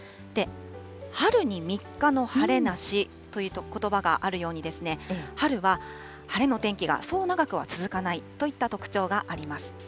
春に３日の晴れなしということばがあるように、春は晴れの天気がそう長くは続かないといった特徴があります。